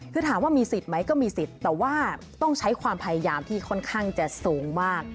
คือถามว่ามีสิทธิ์ไหมก็มีสิทธิ์แต่ว่าต้องใช้ความพยายามที่ค่อนข้างจะสูงมาก